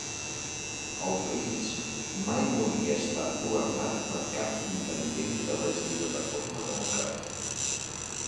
El país mai no havia estat governat per cap intendenta elegida de forma democràtica.